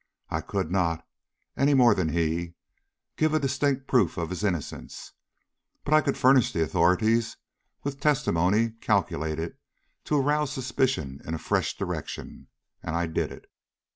I could not, any more than he, give a distinct proof of his innocence; but I could furnish the authorities with testimony calculated to arouse suspicion in a fresh direction, and I did it.